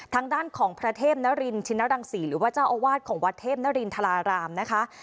ทางด้านของพระเทพนรินชินรังศรีหรือว่าเจ้าอาวาสของวัดเทพนรินทรารามนะคะ